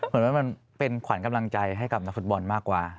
ผมว่ามันเป็นขวัญกำลังใจให้กับนักฟุตบอลมากกว่า